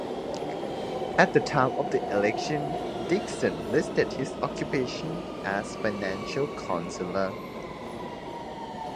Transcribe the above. At the time of the election, Dickson listed his occupation as financial counsellor.